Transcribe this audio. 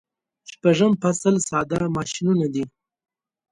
شپږم فصل ساده ماشینونه دي.